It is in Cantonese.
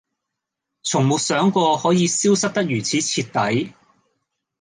從沒想過可以消失得如此徹底